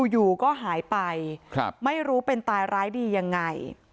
อยู่ก็หายไปไม่รู้เป็นตายร้ายดียังไง